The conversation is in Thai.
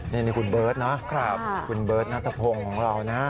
นี่คุณเบิร์ตนะคุณเบิร์ตนัทพงศ์ของเรานะ